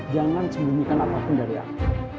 jangan sembunyikan apapun dari aku